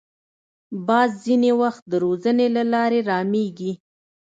باز ځینې وخت د روزنې له لارې رامېږي